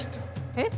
えっ！